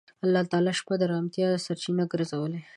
الله تعالی شپه د آرامتیا سرچینه ګرځولې.